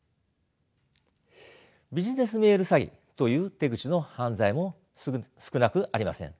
ビジネスメール詐欺という手口の犯罪も少なくありません。